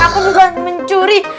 aku juga mencuri